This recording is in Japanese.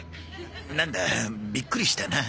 なんだびっくりしたなあ。